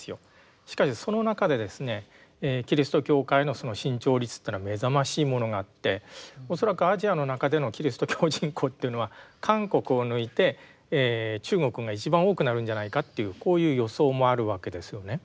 しかしその中でですねキリスト教会の伸長率というのは目覚ましいものがあって恐らくアジアの中でのキリスト教人口というのは韓国を抜いて中国が一番多くなるんじゃないかというこういう予想もあるわけですよね。